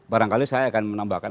barangkali saya akan menambahkan